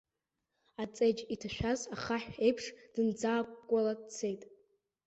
Аҵеџь иҭашәаз ахаҳә еиԥш дынӡаакәкәала дцеит.